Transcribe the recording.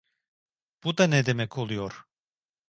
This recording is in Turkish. Bu da ne demek oluyor?